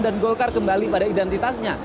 golkar kembali pada identitasnya